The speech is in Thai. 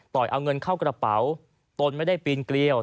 เอาเงินเข้ากระเป๋าตนไม่ได้ปีนเกลี้ยว